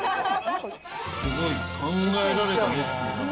すごい考えられたレシピ。